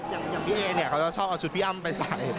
อย่างพี่เอเนี่ยเขาจะชอบเอาชุดพี่อ้ำไปใส่